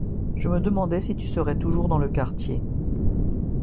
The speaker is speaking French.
Je me demandais si tu serais toujours dans le quartier